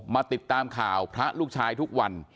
มาติดตามข่าวพระลูกชายทุกวัน